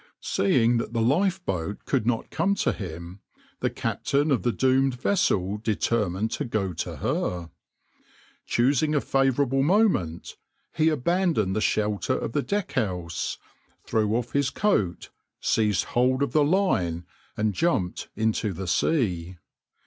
\par Seeing that the lifeboat could not come to him, the captain of the doomed vessel determined to go to her. Choosing a favourable moment, he abandoned the shelter of the deck house, threw off his coat, seized hold of the line, and jumped into the sea.